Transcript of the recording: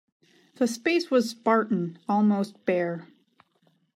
The space was spartan, almost bare.